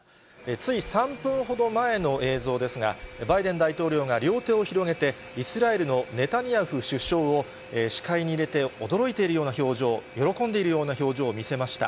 つい３分ほど前の映像ですが、バイデン大統領が両手を広げて、イスラエルのネタニヤフ首相を視界に入れて、驚いているような表情、喜んでいるような表情を見せました。